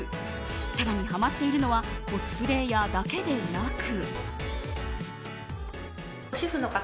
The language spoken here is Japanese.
更にハマっているのはコスプレイヤーだけでなく。